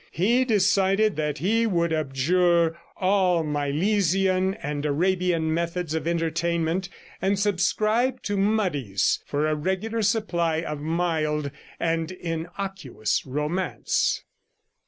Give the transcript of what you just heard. He decided that he would abjure all Milesian and Arabian methods of entertainment, and subscribe to Mudie's for a regular supply of mild and innocuous romance.